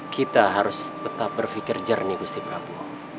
kita harus tetap berpikir jernih gusti prabowo